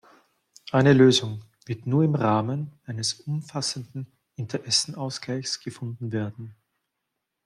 Eine Lösung wird nur im Rahmen eines umfassenden Interessenausgleichs gefunden werden.